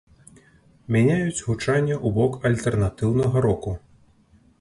Мяняюць гучанне ў бок альтэрнатыўнага року.